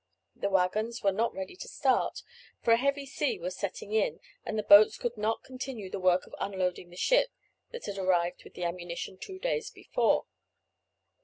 The waggons were not ready to start, for a heavy sea was setting in, and the boats could not continue the work of unloading the ship that had arrived with the ammunition two days before.